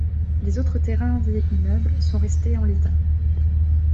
Les autres terrains et immeubles sont restés en l’état.